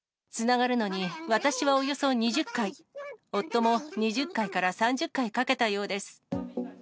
つながるのに私はおよそ２０回、夫も２０回から３０回かけたようです。